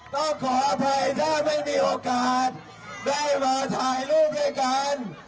ขออภัยถ้าไม่มีโอกาสได้มาถ่ายรูปด้วยกัน